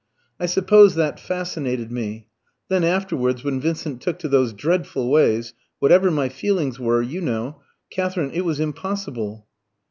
"I suppose that fascinated me. Then afterwards when Vincent took to those dreadful ways whatever my feelings were, you know, Katherine, it was impossible."